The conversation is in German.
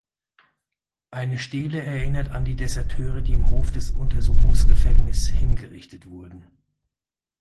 Eine Stele erinnert an die Deserteure, die im Hof des Untersuchungsgefängnis hingerichtet wurden.